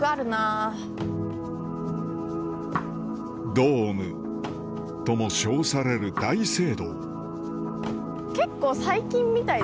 ドームとも称される大聖堂